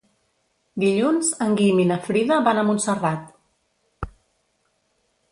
Dilluns en Guim i na Frida van a Montserrat.